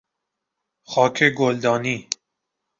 خاک گلدانی